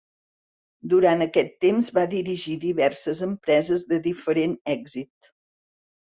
Durant aquest temps va dirigir diverses empreses de diferent èxit.